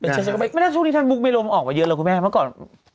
จริงแต่ช่วงนี้ท่านมุกเวโรมออกมาเยอะแล้วครับคุณแม่เมื่อก่อน